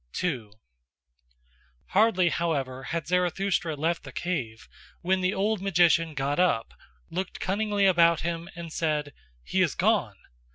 2. Hardly, however, had Zarathustra left the cave when the old magician got up, looked cunningly about him, and said: "He is gone!